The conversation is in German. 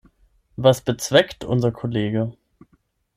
Was bezweckt unser Kollege?